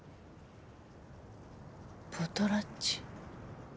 ポトラッチ。